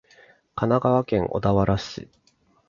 神奈川県小田原市